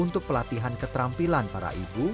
untuk pelatihan keterampilan para ibu